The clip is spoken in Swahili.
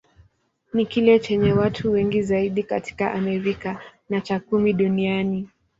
Ni kile chenye watu wengi zaidi katika Amerika, na cha kumi duniani.